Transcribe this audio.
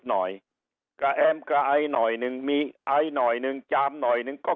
หน่อยกระแอมกระไอหน่อยหนึ่งมีไอหน่อยหนึ่งจามหน่อยหนึ่งก็